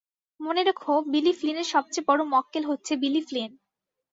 মনে রেখো, বিলি ফ্লিনের সবচেয়ে বড় মক্কেল হচ্ছে বিলি ফ্লিন।